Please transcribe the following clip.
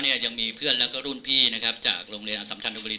ยังมีเพื่อนแล้วก็รุ่นพี่นะครับจากโรงเรียนอสัมชันธบุรี